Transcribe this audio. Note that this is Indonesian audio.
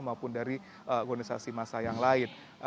maupun dari organisasi masa yang lain